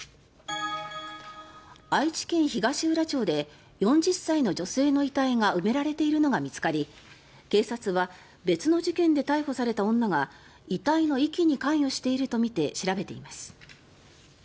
愛知県東浦町で４０歳の女性の遺体が埋められているのが見つかり警察は別の事件で逮捕された女が遺体の遺棄に関与しているとみて調べています。